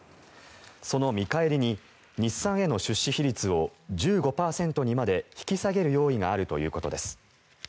その見返りに日産への出資比率を１５％にまで引き下げる用意があるということです。